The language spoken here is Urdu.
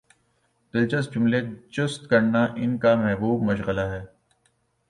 دلچسپ جملے چست کرنا ان کامحبوب مشغلہ ہے